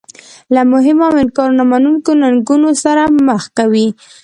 له مهمو او انکار نه منونکو ننګونو سره مخ کوي.